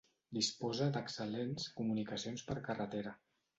Disposa d'excel·lents comunicacions per carretera.